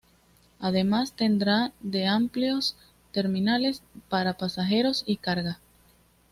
Además tendrá de amplios terminales para pasajeros y carga.